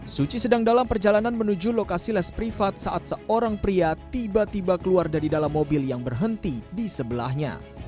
suci sedang dalam perjalanan menuju lokasi les privat saat seorang pria tiba tiba keluar dari dalam mobil yang berhenti di sebelahnya